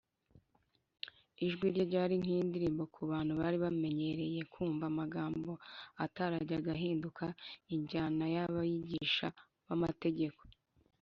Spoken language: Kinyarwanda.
ijwi rye ryari nk’indirimbo ku bantu bari baramenyereye kumva amagambo atarajyaga ahindura injyana y’abigisha b’amategeko